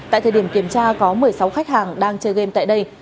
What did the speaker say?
tại thời điểm kiểm tra có một mươi sáu khách hàng đang chơi game tại đây